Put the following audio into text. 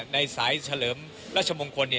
ในสายเฉลิมรัชมงค์คน